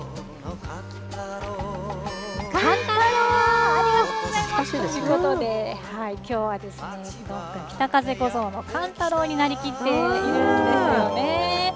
かんたろー。ということで、きょうはですね、北風小僧のかんたろうになりきっているんですよね。